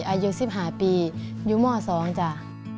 อายุ๑๕ปียุโม่๒จ้า